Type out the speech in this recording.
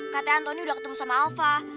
katanya antoni udah ketemu sama alpha